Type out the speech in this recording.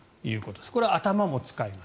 これは頭も使います。